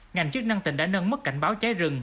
ngành chức năng tỉnh đã nâng mức cảnh báo cháy rừng